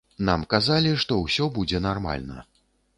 Нам казалі, што ўсё будзе нармальна.